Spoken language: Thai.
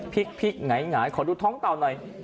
พลิกหงายขอดูท้องเต่าหน่อย